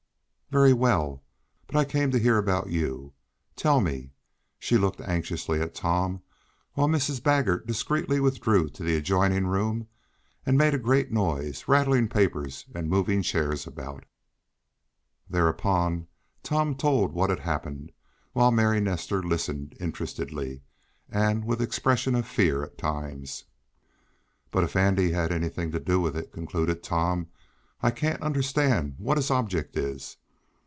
"Very well. But I came to hear about you. Tell me," and she looked anxiously at Tom, while Mrs. Baggert discreetly withdrew to the adjoining room, and made a great noise, rattling papers and moving chairs about. Thereupon Tom told what had happened, while Mary Nestor listened interestedly and with expressions of fear at times. "But if Andy had anything to do with it," concluded Tom, "I can't understand what his object is.